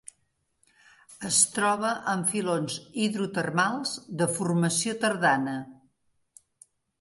Es troba en filons hidrotermals de formació tardana.